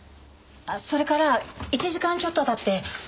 あっそれから１時間ちょっと経って。